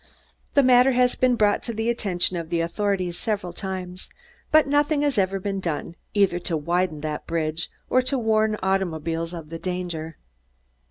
The matter has been brought to the attention of the authorities several times, but nothing has ever been done, either to widen the bridge or to warn automobilists of the danger.